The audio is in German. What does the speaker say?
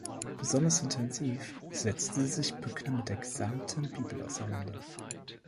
Besonders intensiv setzte sich Bücker mit der gesamten Bibel auseinander.